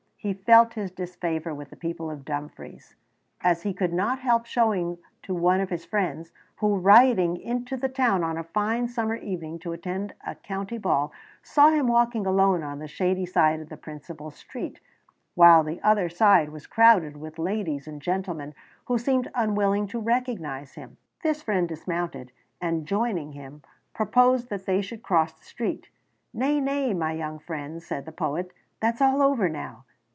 He felt his disfavor with the people of Dumfries, as he could not help showing to one of his friends, who, riding into the town on a fine summer evening to attend a county ball, saw him walking alone on the shady side of the principal street, while the other side was crowded with ladies and gentlemen who seemed unwilling to recognize him. This friend dismounted, and joining him, proposed that they should cross the street. "Nay, nay, my young friend," said the poet, "that's all over now."